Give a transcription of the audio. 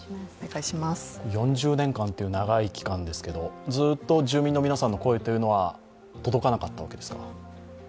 ４０年間という長い期間ですけどずっと住民の皆さんの声というのは届かなかったわけですか？